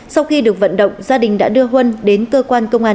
sau khi được vận động gia đình đã đưa huân đến cơ quan công an